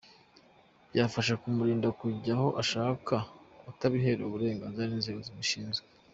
Byafasha kumurinda kujya aho ashaka atabiherewe uburenganzira n’inzego zibishinzwe.